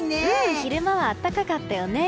昼間は暖かかったよね。